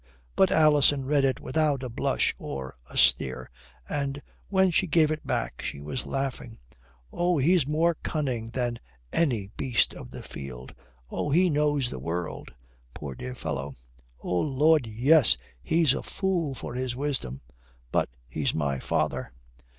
But Alison read it without a blush or a sneer, and when she gave it back she was laughing. "Oh, he's more cunning than any beast of the field! Oh, he knows the world! Poor, dear fellow." "Oh Lud, yes, he's a fool for his wisdom. But he's my father."